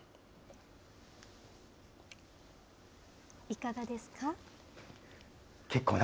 いかがですか？